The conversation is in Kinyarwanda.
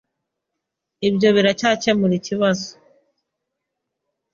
Ibyo biracyakemura ikibazo.